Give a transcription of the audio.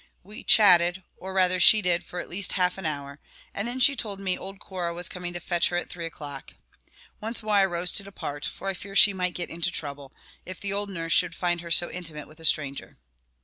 We chatted, or rather she did, for at least half an hour; and then she told me old Cora was coming to fetch her at three o'clock. Once more I rose to depart, for I feared she might get into trouble, if the old nurse should find her so intimate with a stranger.